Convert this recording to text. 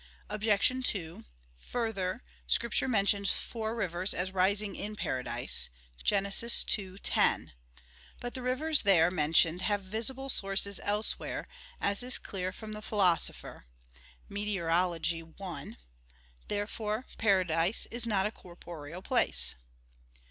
Obj. 2: Further, Scripture mentions four rivers as rising in paradise (Gen. 2:10). But the rivers there mentioned have visible sources elsewhere, as is clear from the Philosopher (Meteor. i). Therefore paradise is not a corporeal place.